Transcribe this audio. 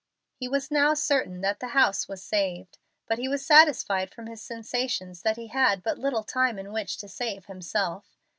He was now certain that the house was saved. But he was satisfied from his sensations that he had but little time in which to save himself.